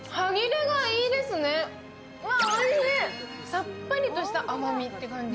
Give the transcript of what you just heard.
さっぱりとした甘みって感じ。